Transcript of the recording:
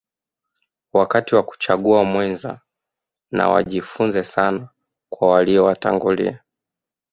wakati wa kuchagua mwenza na wajifunze sana kwa walio watangulia